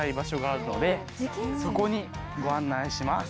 そこにご案内します！